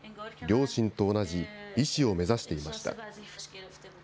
両親と同じ医師を目指していました。